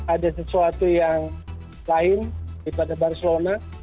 ada sesuatu yang lain daripada barcelona